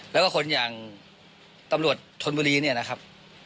แล้วก็คนอย่างตำรวจธนบุรีเนี่ยนะครับ